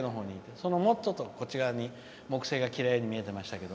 そのもっとこっちのほうに木星がきれいに見えてましたけど。